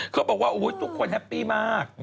เขาบอกว่าทุกคนแฮปปี้มาก